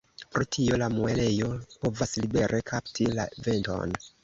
Pro tio la muelejo povas libere “kapti” la venton.